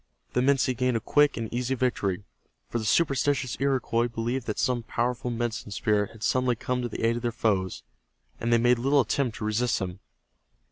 The Minsi gained a quick and easy victory, for the superstitious Iroquois believed that some powerful Medicine Spirit had suddenly come to the aid of their foes, and they made little attempt to resist them.